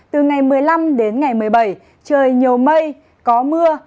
từ ngày một mươi năm đến ngày một mươi bảy trời nhiều mây có mưa